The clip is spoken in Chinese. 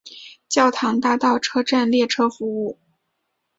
教堂大道车站列车服务。